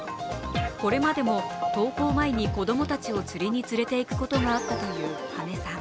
これまでも登校前に子供たちを釣りに連れていくことがあったという羽根さん。